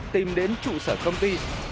tìm đến trụ sở công ty